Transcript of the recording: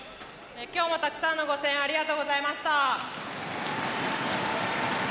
今日もたくさんのご声援ありがとうございました。